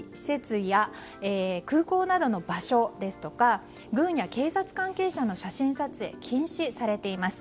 カタールでは軍事設備や空港などの場所ですとか軍や警察関係者の写真撮影が禁止されています。